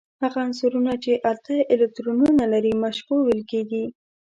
هغه عنصرونه چې اته الکترونونه لري مشبوع ویل کیږي.